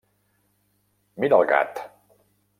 Mira el gat!